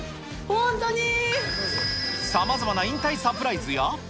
さまざまな引退サプライズや。